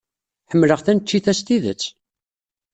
Ḥemmleɣ taneččit-a s tidet.